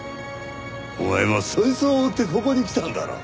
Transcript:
お前もそいつを追ってここに来たんだろう？